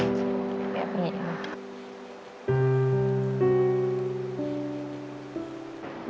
แบบนี้